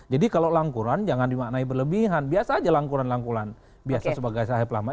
jadi kalau langkuran jangan dimaknai berlebihan biasa aja langkuran langkuran biasa sebagai sahabat pelamat